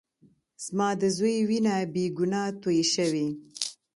زما د زوى وينه بې ګناه تويې شوې.